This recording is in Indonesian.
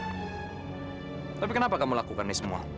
tetapi kenapa kamu melakukan semua ini